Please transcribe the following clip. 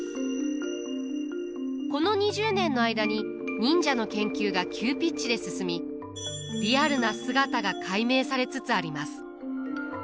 この２０年の間に忍者の研究が急ピッチで進みリアルな姿が解明されつつあります。